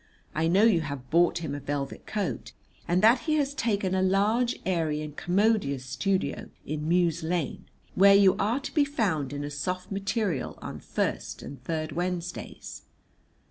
I know you have bought him a velvet coat, and that he has taken a large, airy and commodious studio in Mews Lane, where you are to be found in a soft material on first and third Wednesdays.